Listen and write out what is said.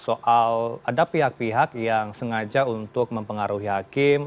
soal ada pihak pihak yang sengaja untuk mempengaruhi hakim